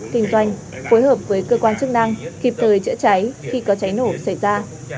kinh doanh phối hợp với cơ quan chức năng kịp thời chữa cháy khi có cháy nổ xảy ra